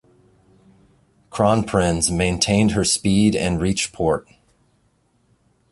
"Kronprinz" maintained her speed and reached port.